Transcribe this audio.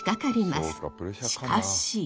しかし！